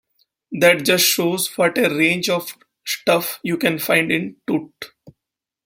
That just shows what a range of stuff you can find in Tut'.